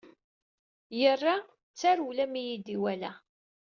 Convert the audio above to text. Yerra d tarewla mi iyi-d-iwala.